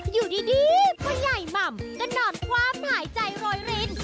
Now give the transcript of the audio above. อยู่ดีพ่อใหญ่หม่ำก็นอนความหายใจโรยริน